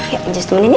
ya just mengin ya